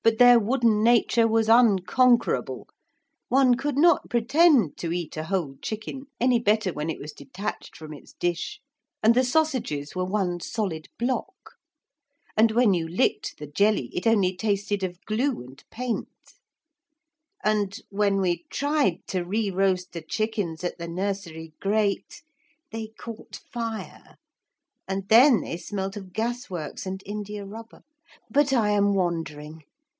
But their wooden nature was unconquerable. One could not pretend to eat a whole chicken any better when it was detached from its dish, and the sausages were one solid block. And when you licked the jelly it only tasted of glue and paint. And when we tried to re roast the chickens at the nursery grate, they caught fire, and then they smelt of gasworks and india rubber. But I am wandering.